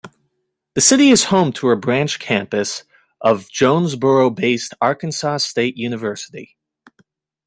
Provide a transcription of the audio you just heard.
The city is home to a branch campus of Jonesboro-based Arkansas State University.